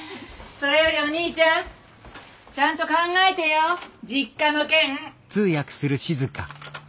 それよりお兄ちゃんちゃんと考えてよ実家の件。